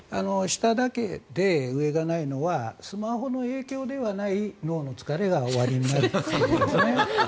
下だけで、上がないのはスマホの影響ではない脳の疲れがおありになるということですね。